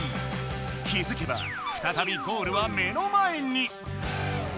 気づけばふたたびゴールは目の前に！